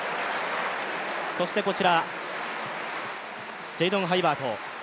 そしてこちら、ジェイドン・ハイバート。